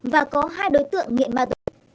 và có hai đối tượng nghiện ma tội